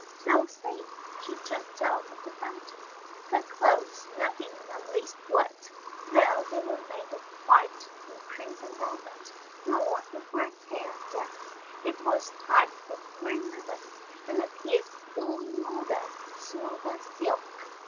So saying, she jumped out of the fountain, her clothes not being the least wet, though they were made of white and crimson velvet, nor her grey hair damp: it was tied with green ribbons, and appeared all in order and smooth as silk.